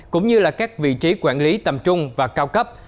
cũng như là các vị trí quản lý tầm trung và cao cấp